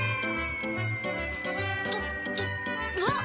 おっとっとうわっ。